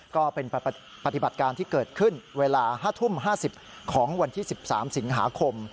ก็เป็นปฏิบัติการที่เกิดขึ้นเวลา๕ทุ่ม๕๐ของวันที่๑๓สิงหาคม